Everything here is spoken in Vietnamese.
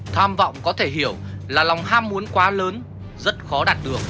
tham vọng có thể hiểu là lòng ham muốn quá lớn rất khó đạt được